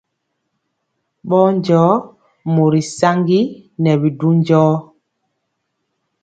Bɔɔnjɔɔ mori saŋgi nɛ bi du njɔɔ.